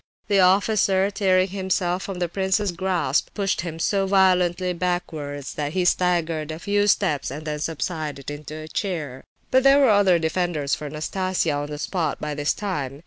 The officer, tearing himself from the prince's grasp, pushed him so violently backwards that he staggered a few steps and then subsided into a chair. But there were other defenders for Nastasia on the spot by this time.